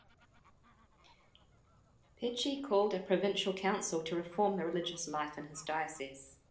Pecci called a provincial council to reform the religious life in his dioceses.